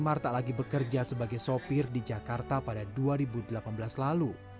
amar tak lagi bekerja sebagai sopir di jakarta pada dua ribu delapan belas lalu